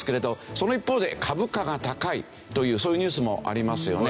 その一方で株価が高いというそういうニュースもありますよね。